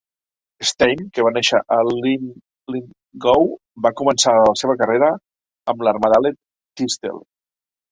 Stein, que va néixer a Linlithgow, va començar a la seva carrera amb l'Armadale Thistle.